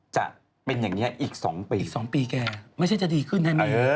จะเป็นอย่างงี้อีกสองปีแกไม่ใช่จะดีขึ้นน่ะมีอ๋อ